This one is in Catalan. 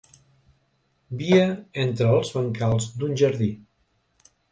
Via entre els bancals d'un jardí.